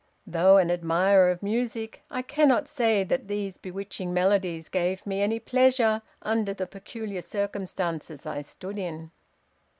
Though an admirer of music, I cannot say that these bewitching melodies gave me any pleasure under the peculiar circumstances I stood in.